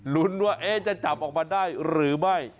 รุ้นว่าจะจับออกมาได้หรือไม่